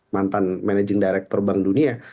mantan manajeng direktor bank dunia